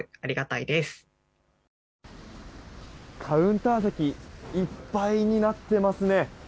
カウンター席いっぱいになっていますね。